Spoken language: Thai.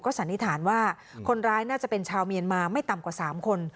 สันนิษฐานว่าคนร้ายน่าจะเป็นชาวเมียนมาไม่ต่ำกว่า๓คน